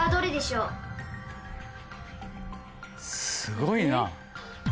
すごいな。